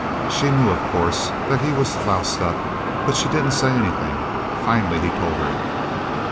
She knew, of course, that he was loused up; but she didn't say anything. Finally he told her.